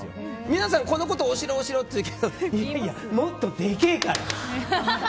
皆さんこのことをお城っていうけどいやいや、もっとでけえから。